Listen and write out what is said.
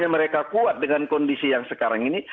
mereka kuat dengan kondisi yang sekarang ini